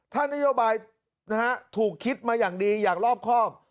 ถ้านโยบายนะฮะถูกคิดมาอย่างดีอย่างรอบครอบ